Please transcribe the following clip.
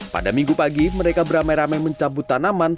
pada minggu pagi mereka beramai ramai mencabut tanaman